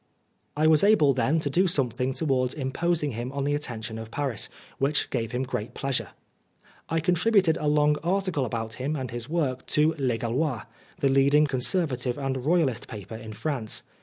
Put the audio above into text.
I was able then to do something towards imposing him on the attention of Paris, 109 Oscar Wilde which gave him great pleasure. I con tributed a long article about him and his work to Le Gaulois, the leading Con servative and Royalist paper in France.